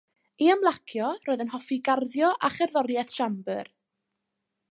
I ymlacio roedd yn hoffi garddio a cherddoriaeth siambr.